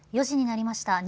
４時になりました。